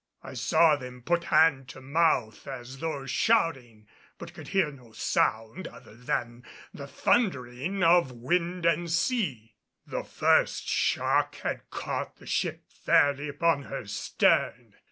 I saw them put hand to mouth as though shouting, but could hear no sound other than the thundering of wind and sea. The first shock had caught the ship fairly upon her stern.